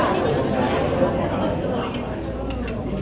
ขอบคุณหนึ่งนะคะขอบคุณหนึ่งนะคะ